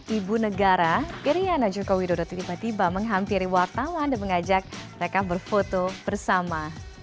ibu negara iryana joko widodo tiba tiba menghampiri wartawan dan mengajak mereka berfoto bersama